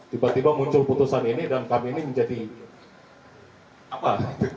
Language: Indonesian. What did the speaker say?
tiba tiba muncul putusan ini dan kami ini menjadi apa